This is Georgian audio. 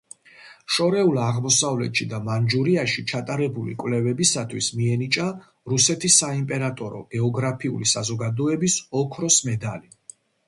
შორეულ აღმოსავლეთში და მანჯურიაში ჩატარებული კვლევებისათვის მიენიჭა რუსეთის საიმპერატორო გეოგრაფიული საზოგადოების ოქროს მედალი.